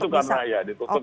itu karena ya ditutup